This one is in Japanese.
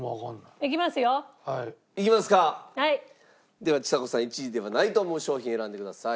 ではちさ子さん１位ではないと思う商品選んでください。